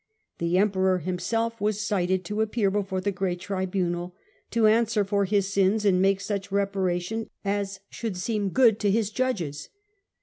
The Emperor himself was cited to appear before the great tribunal, to answer for his sins and make such reparation as should seem good to his judges.